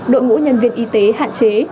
đội ngũ nhân viên y tế hạn chế